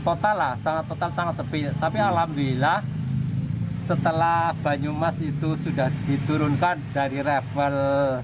kota lah sangat total sangat sepi tapi alhamdulillah setelah banyumas itu sudah diturunkan dari level